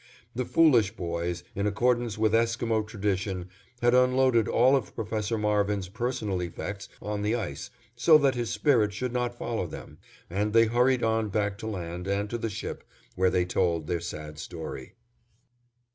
The foolish boys, in accordance with Esquimo tradition, had unloaded all of Prof. Marvin's personal effects on the ice, so that his spirit should not follow them, and they hurried on back to land and to the ship, where they told their sad story.